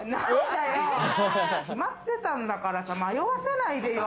決まってたんだから迷わせないでよ。